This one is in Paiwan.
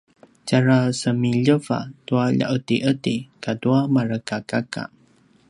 tjarasemiljeva tua lja’edi’edi katua marekakaka